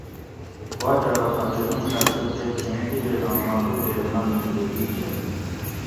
باچہ ارو فقیر اِیں خرچہ کہ چھیں طِبیتاں نا تھو تے من تھکہۤ دی گیگ